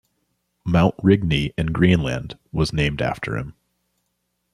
Mount Rigny in Greenland, was named after him.